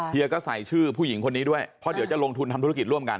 เฮียก็ใส่ชื่อผู้หญิงคนนี้ด้วยเพราะเดี๋ยวจะลงทุนทำธุรกิจร่วมกัน